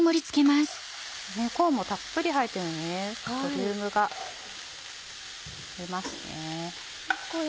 コーンもたっぷり入っているのでボリュームが出ますね。